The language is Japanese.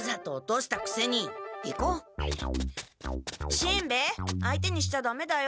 しんべヱ相手にしちゃダメだよ。